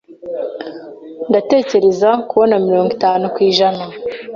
ndatekereza kubona mirongo itanu kwijana